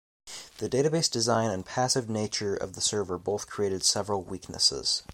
The database design and passive nature of the server both created several weakness.